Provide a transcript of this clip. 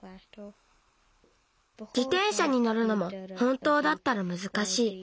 じてんしゃにのるのもほんとうだったらむずかしい。